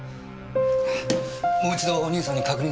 もう一度お兄さんに確認しましょう。